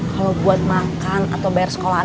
kalo buat makan atau bayar sekolah cek